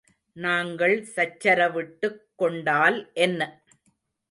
நாங்கள் சச்சரவிட்டுக் கொண்டால் என்ன?